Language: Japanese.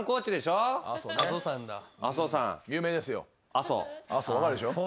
阿蘇分かるでしょ？